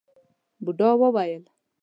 بوډا وويل: